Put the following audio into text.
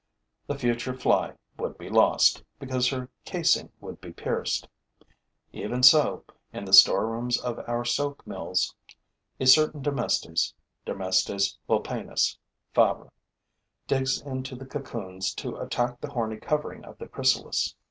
The future Fly would be lost, because her casing would be pierced. Even so, in the storerooms of our silk mills, a certain Dermestes (Dermestes vulpinus, FABR.) digs into the cocoons to attack the horny covering of the chrysalis.